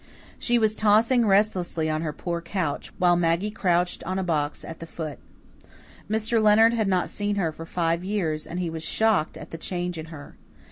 She was tossing restlessly on her poor couch, while Maggie crouched on a box at the foot. Mr. Leonard had not seen her for five years, and he was shocked at the change in her.